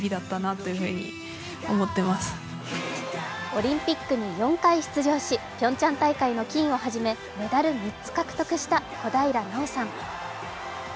オリンピックに４回出場しピョンチャン大会の金をはじめメダル３つ獲得した小平奈緒さん。